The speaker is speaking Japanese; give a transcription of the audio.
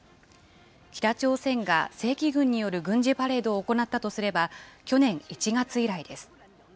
北朝鮮が正規軍による軍事パレードを行ったとすれば、去年１月以来です。